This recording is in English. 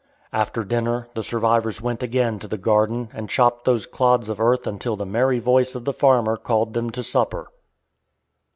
After dinner the survivors went again to the garden and chopped those clods of earth until the merry voice of the farmer called them to supper.